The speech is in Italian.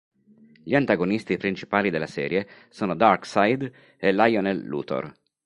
Gli antagonisti principali della serie sono Darkseid e Lionel Luthor.